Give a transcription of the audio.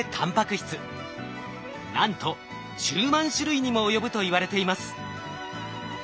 なんと１０万種類にも及ぶといわれています。